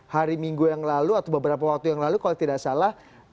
hari minggu yang lalu atau beberapa waktu yang lalu kalau tidak salah